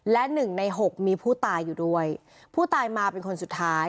และหนึ่งในหกมีผู้ตายอยู่ด้วยผู้ตายมาเป็นคนสุดท้าย